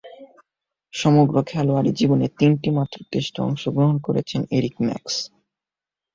সমগ্র খেলোয়াড়ী জীবনে তিনটিমাত্র টেস্টে অংশগ্রহণ করেছেন এরিক মার্ক্স।